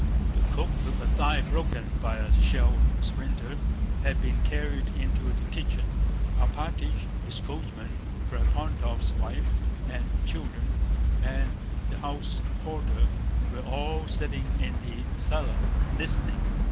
The cook, with her thigh broken by a shell splinter, had been carried into the kitchen. Alpátych, his coachman, Ferapóntov's wife and children and the house porter were all sitting in the cellar, listening.